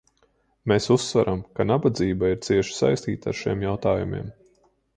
Mēs uzsveram, ka nabadzība ir cieši saistīta ar šiem jautājumiem.